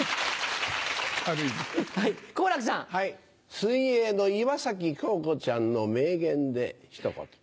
水泳の岩崎恭子ちゃんの名言でひと言。